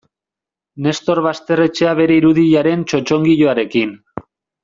Nestor Basterretxea bere irudiaren txotxongiloarekin.